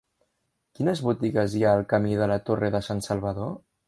Quines botigues hi ha al camí de la Torre de Sansalvador?